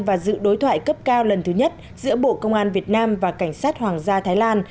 và dự đối thoại cấp cao lần thứ nhất giữa bộ công an việt nam và cảnh sát hoàng gia thái lan